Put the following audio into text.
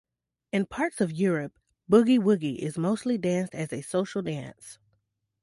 In parts of Europe, boogie-woogie is mostly danced as a social dance.